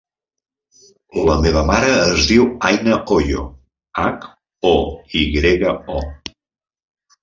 La meva mare es diu Aina Hoyo: hac, o, i grega, o.